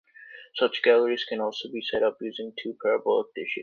Such galleries can also be set up using two parabolic dishes.